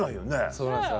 そうなんですよ